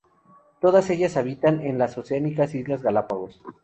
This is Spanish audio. Todas ellas habitan en las oceánicas islas Galápagos.